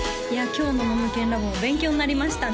今日のノムケンＬａｂ！も勉強になりましたね